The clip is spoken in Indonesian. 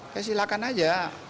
ya silakan aja